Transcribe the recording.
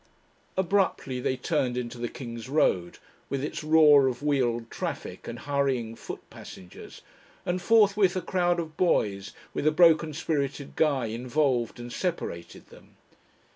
Abruptly they turned into the King's Road, with its roar of wheeled traffic and hurrying foot passengers, and forthwith a crowd of boys with a broken spirited Guy involved and separated them.